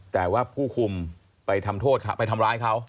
แต่ว่าผู้คุมไปทำโทษเขาไปทำร้ายเขา